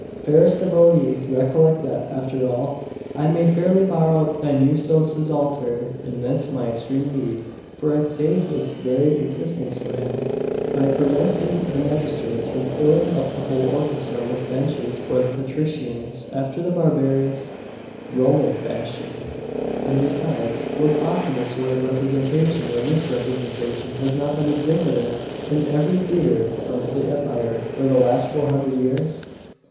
'Fairest devotee, recollect that, after all, I may fairly borrow Dionusos's altar in this my extreme need; for I saved its very existence for him, by preventing the magistrates from filling up the whole orchestra with benches for the patricians, after the barbarous Roman fashion. And besides, what possible sort of representation, or misrepresentation, has not been exhibited in every theatre of the empire for the last four hundred years?